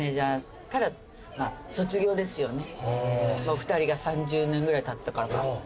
２人が３０年ぐらいたったからか。